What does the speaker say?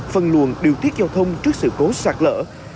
phần luồn điều thiết giao thông trước sự cố sạt lỡ